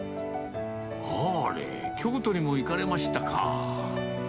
あーれ、京都にも行かれましたか。